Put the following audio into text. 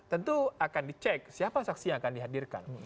tentu akan dicek siapa saksi yang akan dihadirkan